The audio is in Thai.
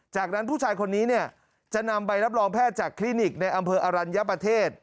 จากนั้นผู้ชายคนนี้เนี่ยจะนำใบรับรองแพทย์จากคลินิกในอำเภออรัญญประเทศ